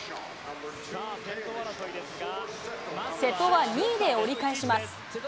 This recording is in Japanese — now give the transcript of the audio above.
瀬戸は２位で折り返します。